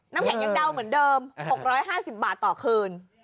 น้ำแข็งยังเดาเหมือนเดิม๖๕๐บาทต่อคืน